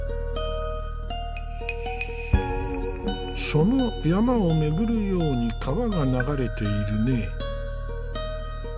その山を巡るように川が流れているね。